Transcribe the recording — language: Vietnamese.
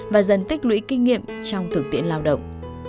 và dần tích lũy kinh nghiệm trong thực tiễn lao động